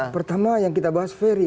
pertama yang kita bahas ferry